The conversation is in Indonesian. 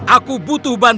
aku butuh beratnya